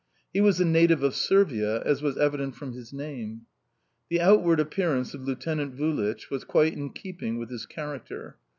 He was a native of Servia, as was evident from his name. The outward appearance of Lieutenant Vulich was quite in keeping with his character.